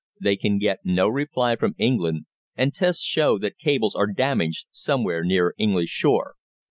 They can get no reply from England, and tests show that cables are damaged somewhere near English shore.'"